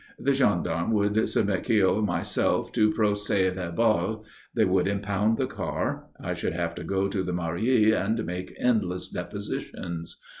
The gendarmes would submit McKeogh and myself to a procès verbal. They would impound the car. I should have to go to the Mairie and make endless depositions.